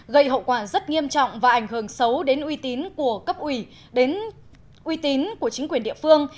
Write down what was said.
gây hậu quả rất nghiêm trọng và ảnh hưởng xấu đến uy tín của cấp ủy đến uy tín của chính quyền địa phương